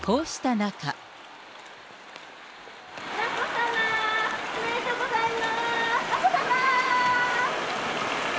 眞子さま、おめでとうございます。